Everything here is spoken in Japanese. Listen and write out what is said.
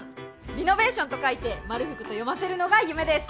リノベーションと書いてまるふくと読ませるのが夢です。